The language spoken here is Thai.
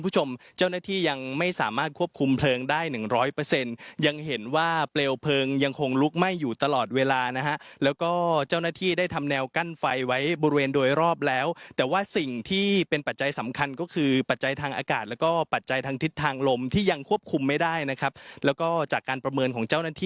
คุณผู้ชมเจ้าหน้าที่ยังไม่สามารถควบคุมเพลิงได้หนึ่งร้อยเปอร์เซ็นต์ยังเห็นว่าเปลวเพลิงยังคงลุกไหม้อยู่ตลอดเวลานะฮะแล้วก็เจ้าหน้าที่ได้ทำแนวกั้นไฟไว้บริเวณโดยรอบแล้วแต่ว่าสิ่งที่เป็นปัจจัยสำคัญก็คือปัจจัยทางอากาศแล้วก็ปัจจัยทางทิศทางลมที่ยังควบคุมไม่ได้นะครับแล้วก็จากการประเมินของเจ้าหน้าที่